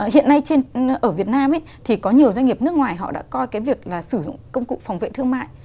hiện nay ở việt nam thì có nhiều doanh nghiệp nước ngoài họ đã coi cái việc là sử dụng công cụ phòng vệ thương mại